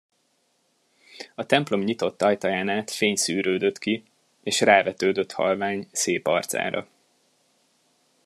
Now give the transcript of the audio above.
A templom nyitott ajtaján át fény szűrődött ki, és rávetődött halvány, szép arcára.